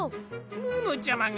ムームーちゃまが？